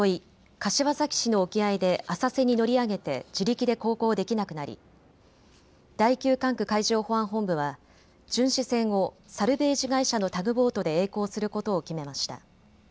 柏崎市の沖合で浅瀬に乗り上げて自力で航行できなくなり第９管区海上保安本部は巡視船をサルベージ会社のタグボートでえい航することを決めました。